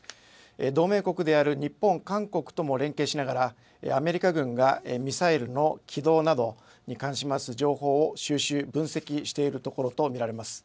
同盟国である日本、韓国とも連携しながらアメリカ軍がミサイルの軌道などに関します情報を収集、分析しているところと見られます。